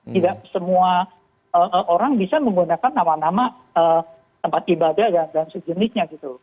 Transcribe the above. tidak semua orang bisa menggunakan nama nama tempat ibadah dan sejenisnya gitu